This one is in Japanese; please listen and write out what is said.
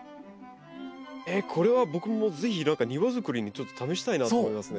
えっこれは僕も是非庭づくりにちょっと試したいなと思いますね。